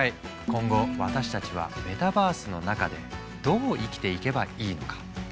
今後私たちはメタバースの中でどう生きていけばいいのか。